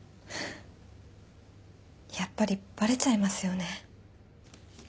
やっぱりバレちゃいますよね。